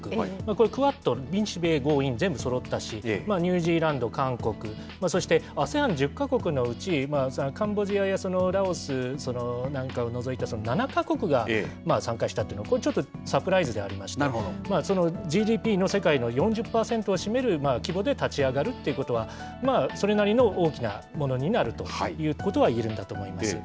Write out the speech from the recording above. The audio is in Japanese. これ、クアッド、日米豪印全部そろったし、ニュージーランド、韓国、そしてＡＳＥＡＮ１０か国のうち、カンボジアやラオスなんかを除いた７か国が参加したということは、サプライズでありまして、そのＧＤＰの世界の４０％を占める規模で立ち上がるということは、それなりの大きなものになるということはいえるんだと思います。